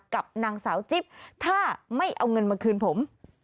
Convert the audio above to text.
กับนางสาวจิ๊บถ้าไม่เอาเงินมาคืนผม